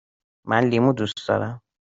من لیمو دوست دارم.